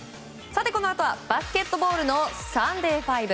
このあとはバスケットボールのサンデーＦＩＶＥ。